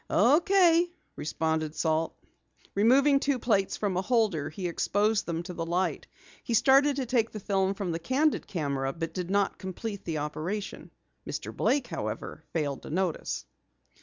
"Okay," responded Salt. Removing two plates from a holder he exposed them to the light. He started to take the film from the candid camera, but did not complete the operation. Mr. Blake, however, failed to notice.